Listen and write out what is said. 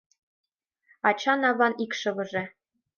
Ачан-аван икшывыже